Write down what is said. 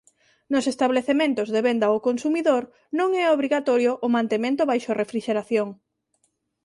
Nos establecementos de venda ó consumidor non é obrigatorio o mantemento baixo refrixeración.